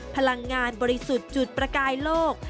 พลังงานบริสุทธิ์จุดประกายโลก